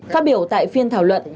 phát biểu tại phiên thảo luận